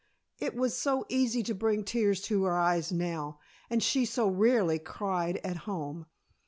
It was so easy to bring tears to her eyes now, and she so rarely cried at home.